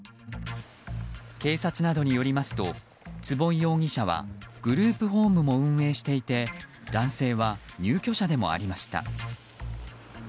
警察などによりますと坪井容疑者はグループホームも運営していて男性は入居者でもありました。